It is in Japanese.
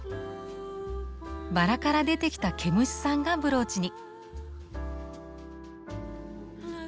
バラから出てきた毛虫さんがブローチに。